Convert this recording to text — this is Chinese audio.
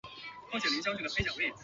管理组织为卡蒂萨克号信托。